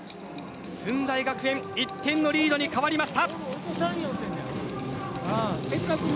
駿台学園１点のリードに変わりました。